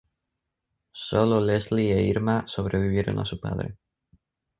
Sólo Lesley e Irma sobrevivieron a su padre.